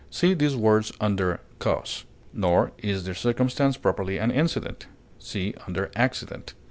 (See these words under CAUSE.) Nor is the circumstance properly an incident. (See under ACCIDENT.)